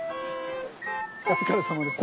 お疲れさまでした。